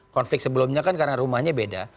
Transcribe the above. konflik sebelumnya kan karena rumahnya beda